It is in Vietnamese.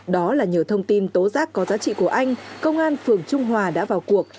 đó là nhờ thông tin tố giác có giá trị của anh công an phường trung hòa đã vào cuộc